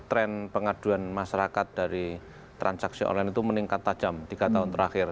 trend pengaduan masyarakat dari transaksi online itu meningkat tajam tiga tahun terakhir